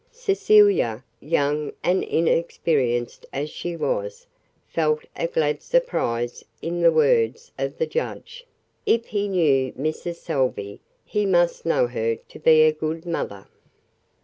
Cecilia, young and inexperienced as she was, felt a glad surprise in the words of the judge; if he knew Mrs. Salvey he must know her to be a good mother.